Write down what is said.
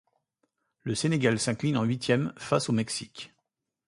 Le Sénégal s'incline en huitièmes face au Mexique.